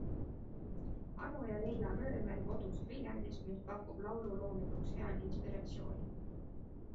Anu ja Leila Röömel koduses Viljandis, mis pakub laululoominguks head inspiratsiooni.